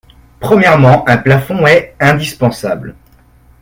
Premièrement, un plafond est indispensable.